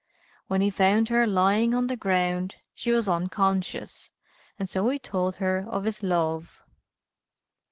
When he found her lying on the ground she was unconscious, and so he told her of his love.